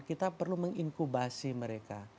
kita perlu menginkubasi mereka